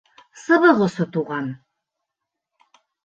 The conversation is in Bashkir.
Сыбыҡ осо туған.